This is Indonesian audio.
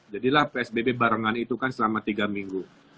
jadilah psbb barengan itu kan selama tiga minggu